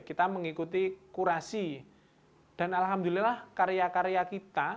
kita mengikuti kurasi dan alhamdulillah karya karya kita